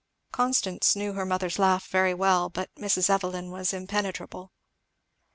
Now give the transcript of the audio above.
Constance knew her mother's laugh very well; but Mrs. Evelyn was impenetrable.